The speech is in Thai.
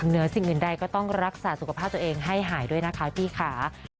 เหนือสิ่งอื่นใดก็ต้องรักษาสุขภาพตัวเองให้หายด้วยนะคะพี่ค่ะ